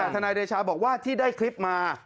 ทนายเดชาบอกว่าที่ได้คลิปมา